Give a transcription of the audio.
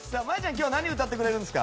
今日は何歌ってくれるんですか？